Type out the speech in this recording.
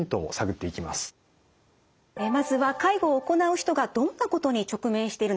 まずは介護を行う人がどんなことに直面しているのか。